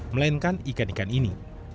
melainkan ikan ikan ini